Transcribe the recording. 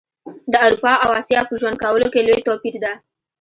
د اروپا او اسیا په ژوند کولو کي لوي توپیر ده